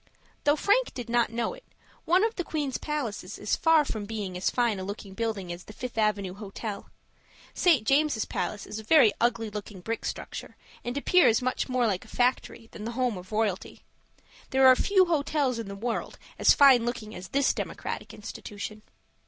Though Frank did not know it, one of the queen's palaces is far from being as fine a looking building as the Fifth Avenue Hotel. St. James' Palace is a very ugly looking brick structure, and appears much more like a factory than like the home of royalty. There are few hotels in the world as fine looking as this democratic institution.